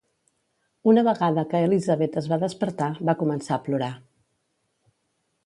Una vegada que Elizabeth es va despertar, va començar a plorar.